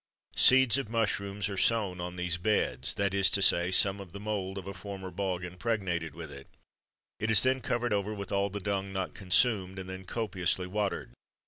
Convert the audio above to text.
Seeds of mushrooms are sown on these beds that is to say, some of the mould of a former bog impregnated with it. It is then covered over with all the dung not consumed, and then copiously watered.